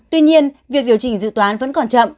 tuy nhiên việc điều chỉnh dự toán vẫn còn chậm